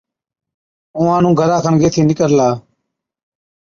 اُونهان نُون گھرا کن گيهٿِي نِڪرلا،